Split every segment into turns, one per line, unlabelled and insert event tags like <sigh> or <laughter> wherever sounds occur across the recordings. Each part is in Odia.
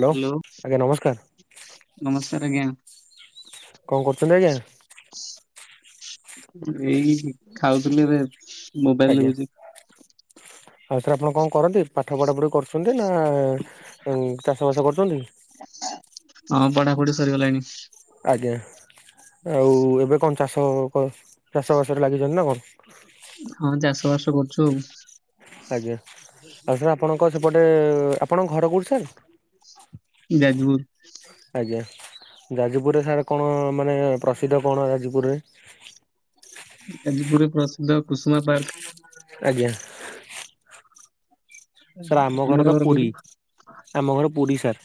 ହ୍ୟାଲୋ ଆଜ୍ଞା ନମସ୍କାର।
ନମସ୍କାର ଆଜ୍ଞା
କଣ କରୁଛନ୍ତି ଆଜ୍ଞା
ଏଇ ଖାଉଥିଲି ଏବେ ମୋବାଇଲ୍
ଆଜ୍ଞା
ଲାଗୁଚି।
ଆଉ ସାର୍ ଆପଣ କଣ କରନ୍ତି ପାଠ ପଢ଼ି ପଢ଼ି କରୁଛନ୍ତି ନା ଚାଷ ବାସ କରୁଛନ୍ତି?
ପଡ଼ି ସରିଗଲାଣି।
ଆଜ୍ଞା ଆଉ ଏବେ କଣ ଚାଷ ତଣ କର୍ସ ଚାଷ ବାସରେ ଲାଗିଛନ୍ତି ନା କଣ?
ହଁ ଚାଷ ବାସ କରୁଛୁ ଆଉ।
ଆଜ୍ଞା ଆଉ ସାର୍ ଆପଣଙ୍କ ସେପଟେ ଆପଣଙ୍କ ଘର କୋଉଠି ସାର୍?
ଯାଜ୍ ପୁର୍।
ଆଜ୍ଞା ଯାଜପୁରରେ ସାର୍ କଣ ମାନେ ପ୍ରସିଦ୍ଧ କଣ ଯାଜପୁରରେ?
ଯାଜପୁର୍ ରେ ପ୍ରସିଦ୍ଧ କୁସୁମା ପାର୍କ୍।
ଆଜ୍ଞା। ସାର୍ ଆମ ଘର
ଆପଣଙ୍କର
ତ ପୁରୀ
କୋଉଠି
ଆମ ଘର ପୁରୀ ସାର୍।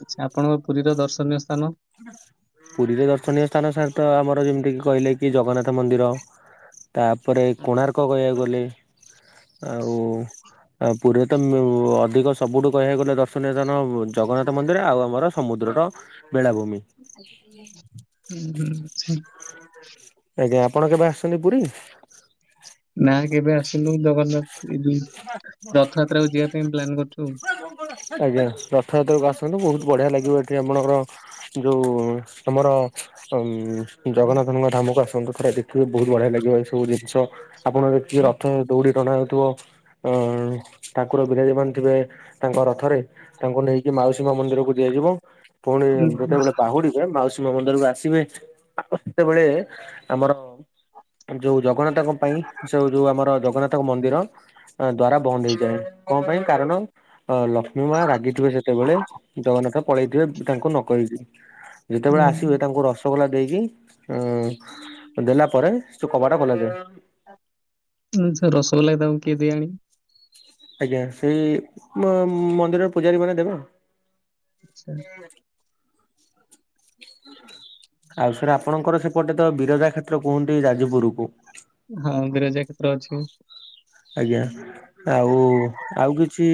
ଆଚ୍ଛା ଆପଣଙ୍କ ପୁରୀର ଦର୍ଶନୀୟ ସ୍ଥାନ?
ପୁରୀରେ ଦର୍ଶନୀୟ ସ୍ଥାନ ସାର୍ ତ ଆମର ଯେମିତିକି କହିଲେ କି ଜଗନ୍ନାଥ ମନ୍ଦିର ତାପରେ କୋଣାର୍କ କହିବାକୁ ଗଲେ
<inaudible>
ଆଉ ଆ ପୁରୀରେ ତ ମେମୋ ଅଧିକ ସବୁଠୁ କହିବାକୁ ଗଲେ ଦର୍ଶନୀୟ ସ୍ଥାନ ଜଗନ୍ନାଥ ମନ୍ଦିର ଆଉ ଆମର ସମୁ ଦ୍ରର ବେଳାଭୂମି।
ଉଁ ହୁଁ ହୁଁ।
ଆଜ୍ଞା ଆପଣ କେବେ ଆସଛନ୍ତି ପୁରୀ?
ନା କେବେ ଆସିଲୁ ଜଗନ୍ନା ପାଇଁ ପ୍ଲାନ୍ କରୁଛୁ ଆଉ।
ଆଜ୍ଞା। ରଥଯାତ୍ରାକୁ ଆସନ୍ତୁ ବୋହୁତ୍ ବଢ଼ିଆ ଲାଗିବ ଏଠି ଆପଣଙ୍କର ଯୋଉ ଆମର ଅମ୍ ଜଗନ୍ନାଥଙ୍କ ଧାମକୁ ଆସ୍ ନ୍ତୁ ଥରେ ଦେଖିବେ ବୋହୁତ୍ ବଢ଼ିଆ ଲାଗିବ ଏଇ ସବୁ ଜିନିଷ ଆପଣ ଦେଖିବେ ରଥ ଦୌଡ଼ି ଟଣା ହୋଉଥିବ ଅଁ ଉଁ ଠାକୁର ବିିରାଜ ମାନ ଥିବେ ତାଙ୍କ ରଥରେ ତାଙ୍କୁ ନେଇକି ମାଉସୀ ମା ମନ୍ଦିରକୁ ଦିଆଯିବ। ପୁଣି
ହୁଁ, ହୁଁ।
ଯେତେବେଳେ ବାହୁଡି଼ବେ ମାଉସୀ ମ ମନ୍ଦିରକୁ ଆସିବେ ଆଉ ସେତେବେଳେ ଆମର ଯୋଉ ଜଗନ୍ନାଥଙ୍କ ପାଇଁ ସେଉ ଯୋଉ ଆମର ଜଗନ୍ନାଥଙ୍କ ମନ୍ଦିର ଦ୍ଵାର ବନ୍ଦ ହେଇଯାଏ, କଣ ପାଇଁ କାରଣ ଅ ଲକ୍ଷ୍ମୀ ମା ରାଗିଥିବେ ସେତେବେଳେ ଜଗନ୍ନାଥ ପଳେଇଥିବେ ତାଙ୍କୁ ନକହିକି। ଯେତେବେଳେ ଆସିବେ ତାଙ୍କୁ ରସଗୋଲା ଦେଇକି, ଦେଲା ପରେ ସେ କବାଟା ଖୋଲା ଯାଏ ।
ସେ ରସଗୋଲା ବି ତାଙ୍କୁ କିଏ ଦିଏ ଆଣିକି?
ଆଜ୍ଞା ସେଇ ମ-ମନ୍ଦିରର ପୂଜାରୀ ମାନେ ଦେବେ ଆଉ।
ଆଛା ।
ଆଉ ସାର୍ ଆପଣଙ୍କର ସେପଟେ ତ ବିରଜା କ୍ଷେତ୍ର କୁହନ୍ତି ଯାଜପୁର କୁ ।
ହଁ ବିରଜା କ୍ଷେତ୍ର ଅଛି ।
ଆଜ୍ଞା ଆଉ ଆଉ କିଛି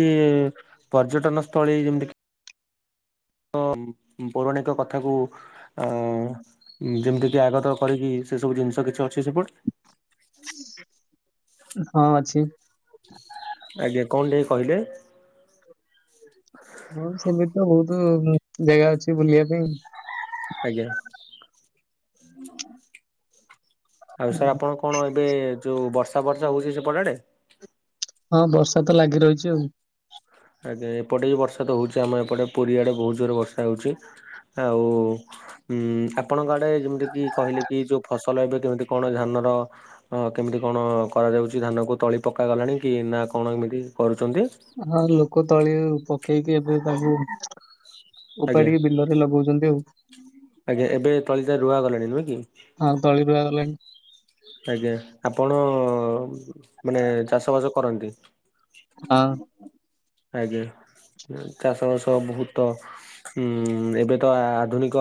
ପର୍ଯ୍ୟଟନ ସ୍ଥଳୀ ଯେମିତିକି ଅ ପୌରାଣିକ କଥାକୁ ଆ ଯେମିତିକି ଆଗତ କରିକି ସେ ସବୁ ଜିନିଷ କିଛି ଅଛି ସେପଟେ?
ହଁ ଅଛି।
ଆଜ୍ଞା କଣ ଟିକେ କହିଲେ।
ହଁ ସେମିତି ତ ବହୁତ ଜାଗା ଅଛି ବୁଲିବା ପାଇଁ।
ଆଜ୍ଞା ଆଉ ସାର୍ ଆପଣ କଣ ଏବେ ଯୋଉ ବର୍ଷ ବର୍ଷା ହଉଛି ସେପଟ ଆଡେ?
ହଁ ବର୍ଷା ତ ଲାଗି ରହିଛି ଆଉ।
ଆଜ୍ଞା ଏପଟେ ବି ବର୍ଷା ତ ହେଉଛି ଆମ ଏପଟେ ପୁରୀଆଡ଼େ ବହୁତ ଜୋରରେ ବର୍ଷା ହେଉଛି। ଆଉ ଉଁ ଆପଣଙ୍କ ଆଡେ ଯେମିତି କି କହିଲେ କି ଯୋଉ ଫସଲ ଏବେ କେମିତି କଣ ଧାନ ତ କେମିତି କଣ କରାଯାଉଛି ଧାନକୁ ତଳି ପକା ଗଲାଣି କି ନା କଣ ଏମିତି କରୁଛନ୍ତି?
ହଁ ଲୋକ ତଳି ପକେଇକି ଏବେ ତାକୁ
ଆଜ୍ଞା
ଓପାଡ଼ିକି ବିଲରେ ଲଗଉଛନ୍ତି ଆଉ।
ଆଜ୍ଞା ଏବେ ତଳିିତ ରୁଆ ଗଲାଣି ନୁହେଁ କି?
ହୁଁ ।
ଆଜ୍ଞା, ଆପଣ ମାନେ ଚାଷ ବାସ କରନ୍ତି?
ହଁ।
ଆଜ୍ଞା ଚାଷ ବାସ ବହୁତ ହୁଁ ଏବେ ତ ଆଧୁନିକ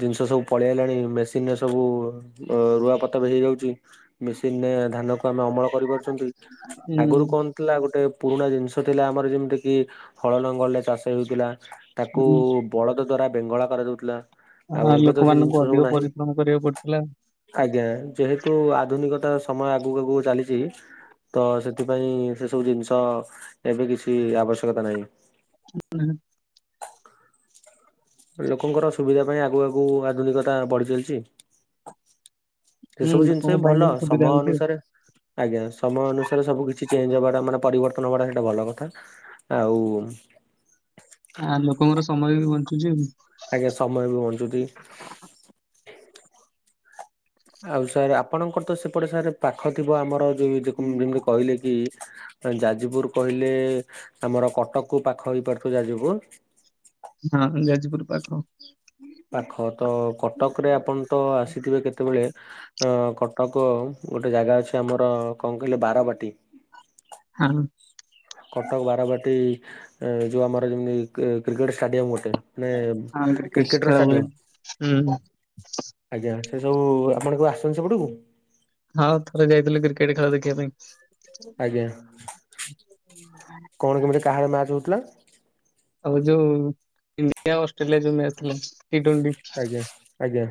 ଜିନିଷ ସବୁ ପଳେଇ ଆଇଲାଣି ମେସିନରେ ସ ସବୁ ରୁଆ ପୋତା ବି ହେଇଯାଉଛି, ମେସିନରେ ଧାନକୁ ଆମେ ଅମଳ କରିପାରୁଛନ୍ତି । ଆଗରୁ
ହୁଁ
କଣ ଥିଲା ଗୋଟେ ପୁରୁଣା ଜିନିଷ ଥିଲା ଆମର ଯେମିତି କିି ହଳ ଲଙ୍ଗଲରେ ଚାଷ ହେଉଥିଲା। ତାକୁ
ହୁଁ।
ବଳଦ ଦ୍ଵାରା ବେଙ୍ଗଳା କରାଯାଉଥିଲା। ଆଉ
ଆ
ଏବେ ତ ସେ ଜିନିଷ
ଲୋକମାନଙ୍କୁ
ସବୁ
ଅଧିକ
ନାହିଁ
ପରିଶ୍ରମ କରିବାକୁ ପଡୁଥିଲା।
ଆଜ୍ଞା ଯେହେତୁ ଆଧୁନିକତା ସମୟ ଆଗକୁ ଆଗକୁ ଚାଲିଛି। ତ ସେଥିପାଇଁ ସେ ସବୁ ଜିନିଷ ଏବେ କିଛି ଆବଶ୍ୟକତା ନାହିଁ।
<inaudible>
ଲୋକଙ୍କର ସୁବିଧା ପାଇଁ ଆଗୁ ଆଗକୁ ଆଧୁନିକତା ବଢ଼ି ଚାଲିଛି।
ହୁଁ
ଏସବୁ ଜିନିଷ
ଲୋକଙ୍କ
ବି
ପାଇଁ
ଭଲ,
ସୁବିଧା
ସମୟ
ହଉଛି ଆଉ।
ଅନୁସାରେ ଆଜ୍ଞା ସମୟ ଅନୁସାରେ ସବୁ କିଛି ଚେଞ୍ଜ ହବାଟା ମାନେ ପରିବର୍ତ୍ତନ ହବାଟା ସେଇଟା ଭଲ କଥା, ଆଉ
ଆ ଲୋକଙ୍କର ସମୟ ବି ବଞ୍ଚୁଛି।
ଆଜ୍ଞା ସମୟ ବି ବଞ୍ଚୁଛି। ଆଉ ସାର୍ ଆପଣଙ୍କର ତ ସେପଟେ ସାର୍ ପାଖ ଥିବ ଆମର ଯୋଉ ଯେ-ଯେମିତି କହିଲେ କି ଯାଜପୁର କହିଲେ, ଆମର କଟକ କୁ ପାଖ ହେଇପାରୁଥିବ ଯାଜପୁର।
ହଁ ଯାଜପୁର ପାଖ।
ପାଖ ତ କଟକରେ ଆପଣ ତ ଆସିଥିବେ କେତେବେଳେ, କଟକ ଗୋଟେ ଜାଗା ଅଛି ଆମର କଣ କହିଲେ ବାରବାଟୀ।
ହଁ।
କଟକ ବାରବାଟୀ, ଯେଉଁ ଆମର ଯେମତି କ୍ରିକେଟ ଷ୍ଟାଡିୟମ ଗୋଟେ। ମାନେ
ହଁ
କ୍ରିକେଟ ର
ଖେଳ ହୁଏ।
ଷ୍ଟାଡିଅମ୍,
ହୁଁ
ଆଜ୍ଞା ସବୁ ଆପଣ କେବେ ଆସୁଛନ୍ତି ସେପଟକୁ?
କେଡେ ଖେଳ ଦେଖିବା ପାଇଁ।
ଆଜ୍ଞା କଣ କେମିତି କାହାର ମ୍ୟାଚ ହଉଥିଲା?
ଆଉ ଯୋଉ ଇଣ୍ଡିଆ ଅଷ୍ଟ୍ରେଲିଆ ଯୋଉ ମ୍ୟାଚ ଥିଲା। ଟି ଟ୍ୱେଣ୍ଟି
ଆଜ୍ଞା ଆଜ୍ଞା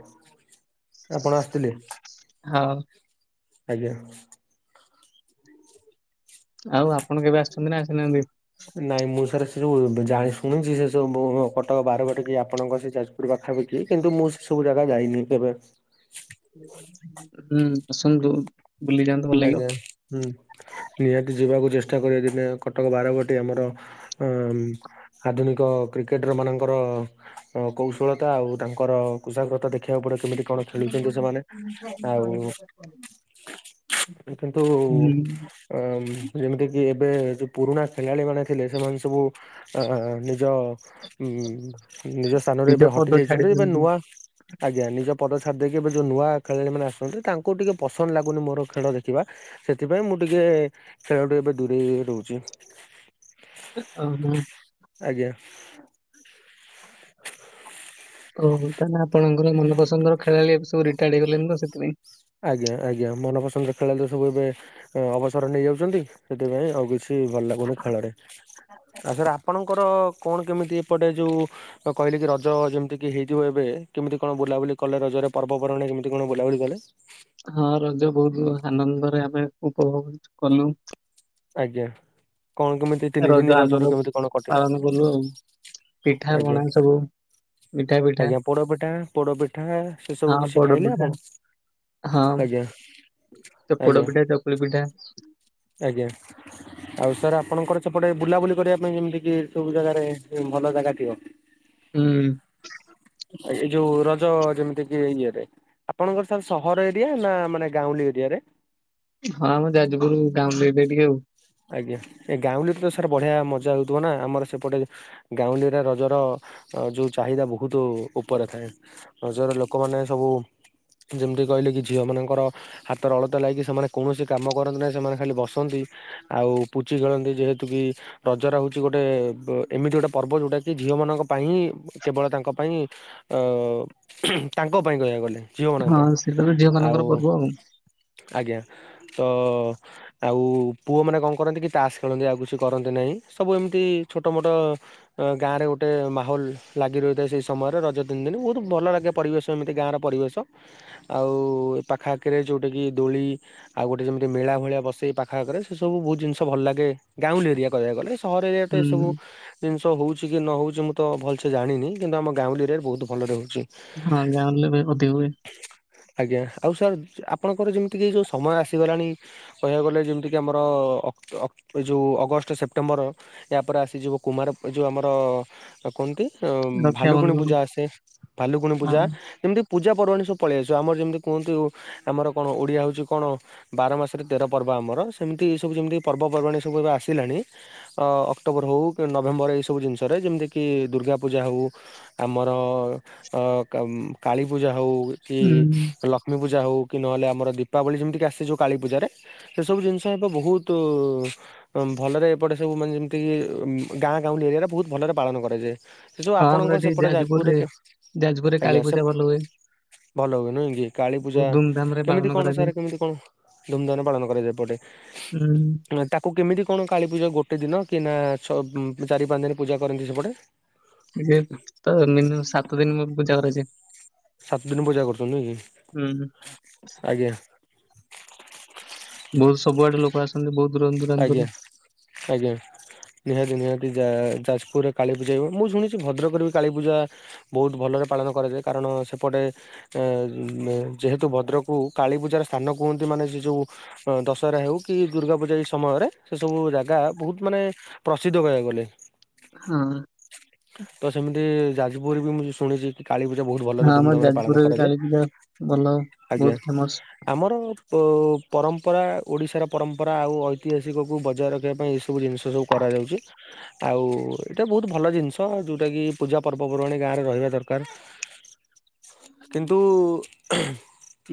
ଆପଣ ଆସିଥିଲେ?
ହଁ
ଆଜ୍ଞା
ଆଉ ଆପଣ କେବେ ଆସିଛନ୍ତି ନା ଆସିନାହାନ୍ତି?
ନାଇ ମୁଁ ସାରେ ଯେଉଁ ଜାଣି ଶୁଣୁକି ସେ ସବୁ କଟକ ବାର ବାଟ କି ଆପଣଙ୍କ ସେଜ ଯାଜପୁର ପାଖାପାଖି କିନ୍ତୁ ମୁଁ ସେବୁ କୋଉ ଜାଗା ଯାଇନି କେବେ।
ହୁଁ ଆସନ୍ତୁ। ବୁଲି ଯାଆନ୍ତୁ ଭଲ ଲାଗିବ।
ଆଜ୍ଞା ହୁଁ ନିହାତି ଯିବାକୁ ଚେଷ୍ ତା ପରେ ଦିନେ କଟକ ବାରବାଟି ଆମର ଆଧୁନିକ କ୍ରିକେଟର ମାନଙ୍କର। ହ କୌଶଳତା ଆଉ ତାଙ୍କର କୋଶାଗ୍ରତା ଦେ ଦେଖିବାକୁ ପଡ କେମିତି କଣ ଖେଳୁଛନ୍ତି ସେମାନେ ଆଉ କିନ୍ତୁ
ହୁଁ
ଯେମିତି କିି? ଏବେ ପୁରୁଣା ଖେଳାଳି ମାନେ ଥିଲେ ସେମାନେ ସବୁ ଅ ନିଜ ଉ ନିଜ ସ୍ଥାନରେ ଏବେ
ପଦ
ହଟି ଯାଇଛନ୍ତି ଏବେ
ଛାଡିଛନ୍ତି।
ନୂଆ ଆଜ୍ଞା ନିଜ ପଦ ଛାଡ଼ି ଦେଇକି ଏବେ ଯେଉଁ ନୂଆ ଖେଳାଳିମାନେ ଆସଛନ୍ତି ତାଙ୍କୁ ଟିକେ ପସନ୍ଦ ଲାଗୁନି ମୋର ଖେଳ ଦେଖିବା ସେଥିପାଇଁ ମୁଁ ଟିକେ ଖେଳଠୁ ଏବେ ଦୂରେଇ ରହୁଛି।
ଓ ହ।
ଆଜ୍ଞା।
ଓହୋ ତାହା ଆପଣଙ୍କର ମନପସନ୍ଦର ଖେଳାଳି ସବୁ ରିଟାୟାର୍ଡ ହେଇଗଲେଣି ତ ସେଥିପାଇଁ।
ଆଜ୍ଞା ଆଜ୍ଞା ମନ ପସନ୍ଦ ଖେଳ ସବୁ ଏବେ ଅବସର ନେଇଯାଉଛନ୍ତି ସେଥିପାଇଁ ଆଉ କିଛି। କି ଭଲ ଲାଗୁନି ଖେଳରେ ଆଉ ସାରେ ଆପଣଙ୍କ ଙ୍କର କଣ କେମିତି ଏପଟେ ଯୋଉ କହିଲି କି ରଜ ଯେମିତି କି ହେଇଥିବ ଏବେ କେମିତି କଣ ବୁଲାବୁଲି। ଏଥର ରଜରେ ପର୍ବପର୍ଣି କେମିତି କଣ ବୁଲା ବୋଲି କଲେ?
ବହୁତୁ ଆନନ୍ଦରେ ଆମେ ଉପଭୋଗ କଲୁ।
ଆଜ୍ଞା କଣ କେମିତି ତିନି
ରଜ
ଦିନିଆ
ଆନନ୍ଦ
ରଜରେ କେମିତି କଣ କଟିଲା?
ପାଳନ କଲୁ ଆଉ ପିଠା
ଆଜ୍ଞା
ପଣା ସବୁ ମିଠା ପିଠା
ଆଜ୍ଞା ପୋଡପିଠା ପୋଡପିଠା ସେ ସବୁ
ହଁ
କିଛି
ପୋଡ
ଖାଇଲେ
ପିଠା
ଆପଣ?
ହଁ
ଆଜ୍ଞା ଆଜ୍ଞା
ପୋଡ଼ପିଠା ଚାକଳି ପିଠା।
ଆଜ୍ଞା। ଆଉ ସାର୍ ଆପଣଙ୍କର ସେପଟେ ବୁଲାବୁଲି କରିବା ପାଇଁ ଯେମିତି କି ସବୁ ଜାଗାରେ ଭଲ
ହୁଁ-
ଏଇ ଯୋଉ ରଜ ଯେମିତି କି ଇଏରେ। ଆପଣଙ୍କର ସାର୍ ସହର ଏରିଆ ନା ମାନେ ଗାଉଁଳି ଏରିଆରେ?
ହଁ ଯାଜପୁର ଗାଉଁଲି ଏରିଆ ଟିକେ ଆଉ।
ଆଜ୍ଞା ଏ ଗାଉଁଲିରେ ତ ସାର୍ ବଢ଼ିଆ ମଜା ହେଉଥିବ ନା ଆମର ସେପଟେ ଗାଉଁଲିରେ ରଜର ଯେଉ ଚାହିଦା ବହୁତ ଉପରେ ଥାଏ ରଜର ଲୋକମାନେ ସବୁ। ଯେମିତି କହିଲେ କି ଝିଅ ମାନଙ୍କର ହାତର ଅଳତା ଲାଗିକି ସେମାନେ କୌଣସି କାମ କରନ୍ତି ନାହି ସେମାନେ ଖାଲି ବସନ୍ତି। ଆଉ ପୁଚି ଖେଳନ୍ତି ଯେହେତୁ କିି ରଜର ହେଉଛି ଗୋଟେ ଏମିତି ଗୋଟେ ପର୍ବ ଯେଉଁଟାକି । ପାଇଁ କେବଳ ତାଙ୍କ ପାଇଁ ଅ ତାଙ୍କ ପାଇଁ କହିବାକୁ ଗଲେ। ଝିଅ ମାନଙ୍କ ପାଇଁ
ହଁ ସେଇଟା ତ ଝିଅ
ଆଉ
ମାନଙ୍କର ପର୍ବ
ଆଜ୍ଞା। ତ ଆଉ। ପୁଅମାନେ କଣ କରନ୍ତି କି ତାସ୍ ଖେଳନ୍ତି ଆଉ କିଛି କରନ୍ତି ନାହିଁ। ସବୁ ଏମିତି ଛୋଟ ମୋଟ ଗାଁରେ ଗୋଟେ ସେ ମାହୋଲ ଲାଗି ରହିଥାଏ ସେଇ ସମୟରେ ରଜ ତିନ ଦିନ ବହୁତ ଭଲ ଲାଗେ ପରିବେଶ ଏମିତି ଗାଁର ପରିବେଶ। ଆଉ ଏପାଖା ଆଖିରେ ଯୋଉଟା କିି ଦୋଳି ଆଉ ଗୋଟେ ଯେମିତି ମେଳା ଭଳିଆ ବସେଇ ପାଖ ଆଖରେ। ସେ ସବୁ ବହୁତ ଜିନିଷ ଭଲ ଲାଗେ ଗାଉଁଲି ଏରିଆ କହିବାକୁଗଲେ ସହର ଏରିଆ ଟ ଏ
ହୁଁ
ସବୁ ଜିନି। ତ ହେଉଛି କି ନ ହେଉଛି ମୁଁ ତ ଭଲସେ ଜାଣିନି କିନ୍ତୁ ଆମ ଗାଁଲି ଏରିଆରେ ବହୁତ ଭଲରେ ହେଉଛି।
ହଁ ଗାଉଁଲିରେ ଅଧିକ ହୁଏ।
ଆଜ୍ଞା ଆଉ ସାର୍ ଆ ଆପଣଙ୍କର ଯେମିତି କି ଯୋଉ ସମୟ ଆସିଗଲାଣି କହିବାକୁ ଗଲେ ଯେମିତି କି ଆମର ଅକ୍ଟ୍ ଅକ୍ଟ୍ ଏ ଯଉଁ ଅଗଷ୍ଟ ସେପ୍ଟେମ୍ବର ୟାପରେ ଆସିଯିବ କୁମାର ଯଉଁ ଆମର କୁହନ୍ତି ଅ ଭାଲୁକୁଣୀ
ରକ୍ଷାବନ୍ଧନ
ପୂଜା ଆସେ ଭାଲୁକୁଣୀ
ହଁ
ପୂଜା ଯେମତି ପୂଜା ପର୍ବାଣୀ ସବୁ ପଳେଇଆସିବ ଆମର ଯେମିତି କୁହନ୍ତି ଆମର କଣ ଓଡ଼ିଆ ହଉଚି କଣ ବାର ମାସରେ ତେର ପର୍ବ। ଆମର ସେମିତି ଏସବୁ ଯେମିତି ପର୍ବପର୍ବାଣି ସବୁ ଏବେ ଆସିଲାଣି ଅ ଅକ୍ଟୋବର ହେଉ କି ନଭେମ୍ବର ଏଇସବୁ ଜିନିଷରେ ଯେମିତିକି ଦୁର୍ଗା ପୂଜା ହୋଉ ଆମର ଅ ଉଁ କାଳୀପୂଜା ହୋଉ କି
ହୁଁ।
ଲକ୍ଷ୍ମୀ ପୂଜା ହଉ କି ନହଲେ ଆମର ଦୀପାବଳୀ ଯେମିତି ଆସେ କାଳୀ ପୂଜାରେ ସେ ସେବୁ ଜିନିଷ ବହୁତ ଭଲରେ ଏପଟେ ସବୁ ମାନେ ଯେମିତି ଗାଁ ଗାଉଁଲି ଏରିଆ ବହୁତ ଭଲ ପାଳନ କରାଯାଏ। ସେ ସବୁ
ହଁ ଆମର
ଆପଣଙ୍କ
ଏଠି
ସେପଟେ ଯାଜପୁରରେ
ଯାଜପୁରରେ
ଆଜ୍ଞା
କାଳୀ
ସେ
ପୂଜା ଭଲ ହୁଏ।
ଭଲ ହୁଏ ନୁଁହେ ନେଇ କି କାଳୀ ପୂଜା
ବହୁତ ଧୁମଧାମ ରେ
କେମିତି
ପାଳନ
କଣ
କରାଯାଏ।
ସାର କେମିତି କଣ ଧୁମଧାମରେ ପାଳନ କରାଯାଏ ପଟେ?
ହୁଁ
ତାକୁ କେମିତି କଣ କାଳୀପୂଜା ଗୋଟେ ଗୋଟେ ଦିନ କି ନା ଛ ଚାରି ପାଞ୍ଚ ଦିନ ପୂଜା କରନ୍ତି ସେପଟେ?
ମିନୁ ତ ମିନିମମ ସାତ ଦିନ ମୁ ପୂଜା କରାଯାଏ।
ସାତ ଦିନ ପୂଜା କରୁଚ ନୁହଁ
ହୁଁ
କି? ଆଜ୍ଞା।
ବହୁତ ସବୁଆଡେ ଲୋକ ଆସନ୍ତି ବହୁତ ଦୂର ଦୂରାନ୍ତରୁ।
ଆଜ୍ଞା ଆଜ୍ଞା ନିହାତି ନିହାତି । ଯା ଯାଜପୁରରେ କାଳୀପୂଜା ହୁଏ ମୁଁ ଶୁଣିଚି ଭଦ୍ରକରେ ବି କାଳୀପୂଜା ବହୁତ ଭଲରେ ପାଳନ କରାଯାଏ କାରଣ ଅଣ ସେପଟେ ଯେହେତୁ ଭଦ୍ରକକୁ କାଳୀପୂଜାର ସ୍ଥାନ କୁହନ୍ତି ମାନେ ସେ ଯେଉଁ ଅ ଦଶହରା ହେଉ କି ଦୁର୍ଗା ପୂଜା ଏହି ସମୟରେ ସେ ସବୁ ଜାଗା ବହୁତ ମାନେ ପ୍ରସିଦ୍ଧ କହିବାକୁ ଗଲେ ।
ହଁ।
ତ ସେମିତି ଯାଜପୁର ବି ମୁଁ ଶୁଣିଚି। କାଳୀ ପୂଜା ବହୁତ
ହଁ
ଭଲରେ
ଆମ
ଧୁମଧାମରେ ପାଳନ
ଯାଜପୁରରେ
କରାଯାଏ।
କାଳୀ ପୂଜା ଭଲ
ଆଜ୍ଞା
ବହୁତ ଫେମସ।
ଆମର ପ ପରମ୍ପ ମ୍ପରା ଓଡିଶାର ପରମ୍ପରା ଆଉ ଐତିହାସିକକୁ ବଜାୟ ରଖିବା ପାଇଁ ଏ ସବୁ ଜିନିଷ ସବୁ କରାଯାଉଚି। ଆଉ ଏଇଟା ବହୁତ ଭଲ ଜିନିଷ। ଯୋଉଟା କି ପୂଜା ପର୍ବ ପର୍ବାଣି ଗାଁ ରେ ରହିବା ଦରକାର। କିନ୍ତୁ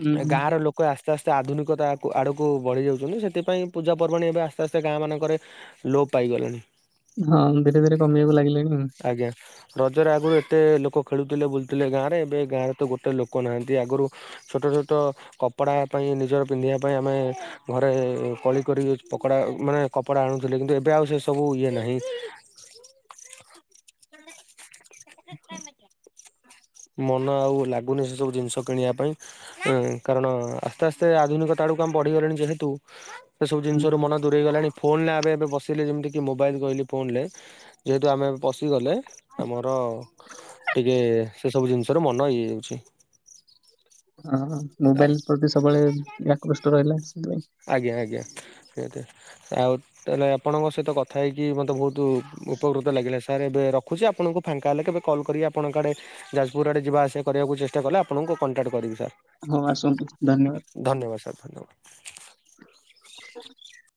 ଉଁ
ଗାଁ ର ଲୋକ ଆସ ଆସ୍ତେ ଆସ୍ତେ ଆଧୁନିକତା ଆ ଆଡ଼କୁ ବଢିଯାଉଚନ୍ତି, ସେଥିପାଇଁ ପୂଜାପର୍ବାଣି ଏବେ ଆସ୍ତେ ଆସ୍ତେ ଗାଁ ମାନଙ୍କରେ ଲୋପ ପାଇଗଲେଣି।
ହଁ ଧୀରେ ଧୀରେ କମିବାକୁ ଲାଗିଲେଣି।
ଆଜ୍ଞା ରଜରେ ଆଗୁରୁ ଏତେ ଲୋକ ଖେଳୁଥିଲେ ବୁଲୁଥିଲେ ଗାଁରେ ଏବେ ଗାଁରେ ତ ଗୋଟେ ଲୋକ ନାହାନ୍ତି। ଆଗରୁ ଛୋଟ ଛୋଟ କପଡ଼ା ପାଇଁ ନିଜର ପିନ୍ଧିବା ପାଇଁ ଆମେ ଘରେ କଳି କରି କି ପକଡା ମାନେ କପଡ଼ା ଆଣୁଥିଲେ କିନ୍ତୁ ଏବେ ଆଉ ସେ ସବୁ ଇଏ ନାହିଁ।
<inaudible>
ମନ ଆଉ ଲାଗୁନି ସେ ସବୁ ଜିନିଷ କିଣିବା ପାଇଁ କାରଣ ଆସ୍ତେ ଆସ୍ତେ ଆଧୁନିକତା ତା ଆଡ଼କୁ ଆମେ ବଢ଼ିଗଲାଣି ଯେହେତୁ ସେ ସବୁ
ଉଁ,
ଜିନିଷରୁ ମନ ଦୁରେଇ ଗଲାଣି ଫୋନ ରେ ଆମେ ଏବେ ବସି ଯେମିତି ମୋବାଇଲ କହିଲି ଫୋନ ରେ ଯେହେତୁ ଆମେ ପଶିଗଲେ ଆମର ଟିକେ ସେସବୁ ଜିନିଷର ମନ ୟେ ହେଇଯାଉଛି।
ହଁ ମୋବାଇଲ ପ୍ରତି ସବୁବେଳେ ଆକୃଷ୍ଟ ରହିଲା ସେଥିପାଇଁ।
ଆଜ୍ଞା ଆଜ୍ଞା ସେତ ଆଉ ତାହେଲେ ଆପଣଙ୍କ ସହିତ କଥା ହେଇକି ମତେ ବହୁତ ତୁ ଉପକୃତ ଲାଗିଲା । ସାର୍ ଏବେ ରଖୁଚି, ଆପଣଙ୍କୁ ଫାଙ୍କା ହେଲେ କେବେ କଲ୍ କରି ଆପଣଙ୍କ ଆଡ଼େ ଯାଜପୁର ଆଡ଼େ ଯିବା ଆସିବା କରିବାକୁ ଚେଷ୍ଟା କଲେ ଆପଣଙ୍କୁ କଣ୍ଟାଟ କରିବି ସାର
ହଁ ଆସନ୍ତୁ ଧନ୍ୟବାଦ।
ଧନ୍ୟବାଦ ସାର ଧନ୍ୟବାଦ।
<inaudible>